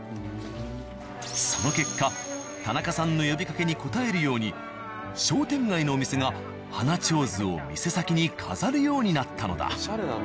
その結果田中さんの呼びかけに応えるように商店街のお店が花手水を店先に飾るようになったのだ。